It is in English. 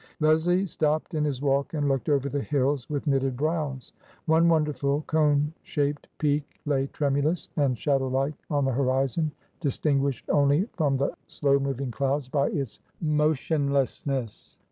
Leslie stopped in his walk and looked over the hills with knitted brows. One wonderful cone shaped peak lay tremulous and shadow like on the horizon, distin guished only from the slow moving clouds by its mo tionlessness.